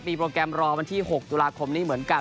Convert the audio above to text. มีโปรแกรมรอวันที่๖ตุลาคมนี้เหมือนกัน